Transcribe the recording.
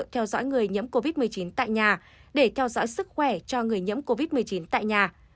theo dõi người nhiễm covid một mươi chín tại nhà để theo dõi sức khỏe cho người nhiễm covid một mươi chín tại nhà